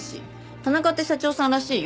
田中って社長さんらしいよ。